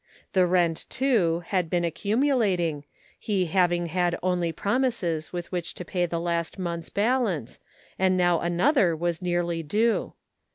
The rent, too, had been accumulating, he having had only prom ises with which to pay the last month's balance, and now another was nearly due.